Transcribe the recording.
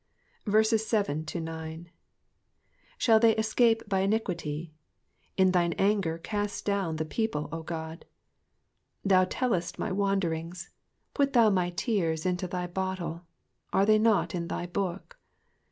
7 Shall they escape by iniquity ? in thine anger cast down the people, O God. ' 8 Thou tellest my wanderings : put thou my tears into thy bottle : are they not in thy book